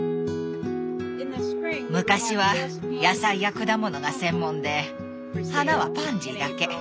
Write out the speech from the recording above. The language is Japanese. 昔は野菜や果物が専門で花はパンジーだけ。